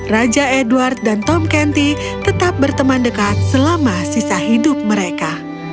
raja edward dan tom canty tetap berteman dekat selama sisa hidup mereka